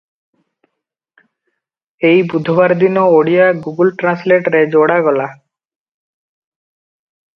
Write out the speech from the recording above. ଏଇ ବୁଧବାର ଦିନ ଓଡ଼ିଆ "ଗୁଗୁଲ ଟ୍ରାନ୍ସଲେଟ"ରେ ଯୋଡ଼ାଗଲା ।